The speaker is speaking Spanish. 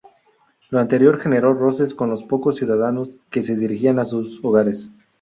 Lo anterior, generó roces con los pocos ciudadanos que se dirigían a sus hogares.